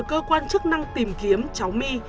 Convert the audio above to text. cơ quan chức năng tìm kiếm cháu my